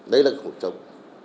đấy là một trong